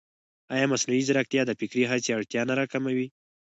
ایا مصنوعي ځیرکتیا د فکري هڅې اړتیا نه راکموي؟